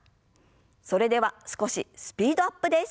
それでは少しスピードアップです。